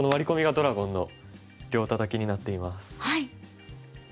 込みがドラゴンの両タタキになっています。